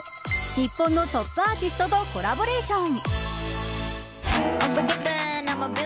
日本のトップアーティストとコラボレーション。